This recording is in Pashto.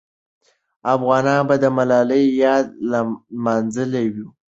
افغانانو به د ملالۍ یاد لمانځلی وي.